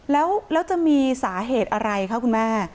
แล้วจะมีสาเหตุอะไรคะคุณแม่